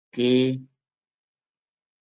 کے